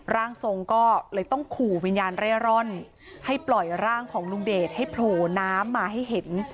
ร่างทรงก็เลยต้องขู่วิญญาณเร่ร่อนให้ปล่อยร่างของลุงเดชให้โผล่น้ำมาให้เห็น